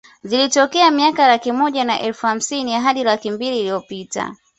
Zilitokea miaka laki moja na elfu hamsini hadi laki mbili iliyopita